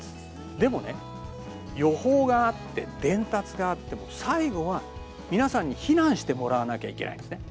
でもね予報があって伝達があっても最後は皆さんに避難してもらわなきゃいけないんですね。